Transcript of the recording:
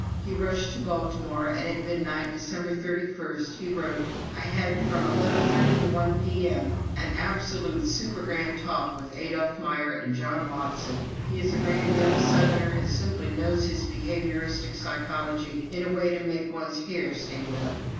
He rushed to Baltimore, and at midnight, December 31, he wrote: "I had from eleven thirty to one P.M. an absolute supergrand talk with Adolph Meyer and John Watson. He is a grand young southerner and simply knows his behavioristic psychology in a way to make one's hair stand up.